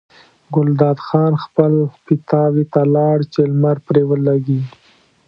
ګلداد خان خپل پیتاوي ته لاړ چې لمر پرې ولګي.